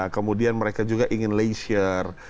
kemudian mereka juga ingin leisure